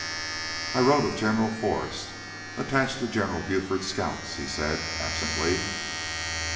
"I rode with General Forrest, attached to General Buford's Scouts," he said absently.